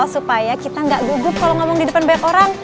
supaya kita gak gugup kalau ngomong di depan banyak orang